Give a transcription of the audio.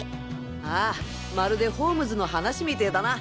ああまるでホームズの話みてぇだな。